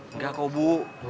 enggak kok bu